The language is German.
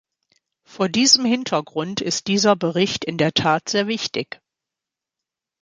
Vor diesem Hintergrund ist dieser Bericht in der Tat sehr wichtig.